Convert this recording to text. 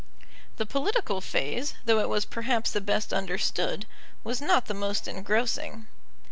The political phase, though it was perhaps the best understood, was not the most engrossing.